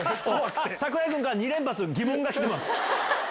櫻井君から２連発、疑問が来てます。